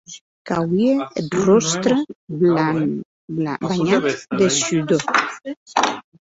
Qu'auie eth ròstre banhat de shudor.